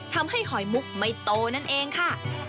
หอยมุกไม่โตนั่นเองค่ะ